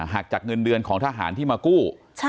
จากเงินเดือนของทหารที่มากู้